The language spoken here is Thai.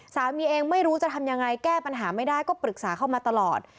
สามีเองไม่รู้จะทำยังไงแก้ปัญหาไม่ได้ก็ปรึกษาเข้ามาตลอด